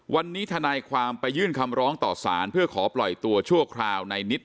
วันนี้ทนายความไปยื่นคำร้องต่อสารเพื่อขอปล่อยตัวชั่วคราวในนิด